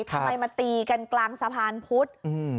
ทำไมมาตีกันกลางสะพานพุธ